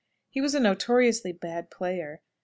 He was a notoriously bad player.